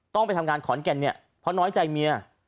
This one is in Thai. ต้องไปทำงานขอนแก่นเนี่ยเพราะน้อยใจเมีย